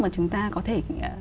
mà chúng ta có thể